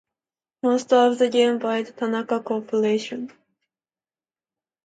Most of the gate was constructed by the Takenaka Corporation.